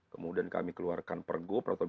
kemudian kami keluarkan pergub